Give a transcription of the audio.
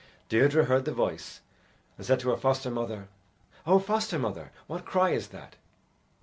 Deirdre heard the voice, and said to her foster mother, "O foster mother, what cry is that?"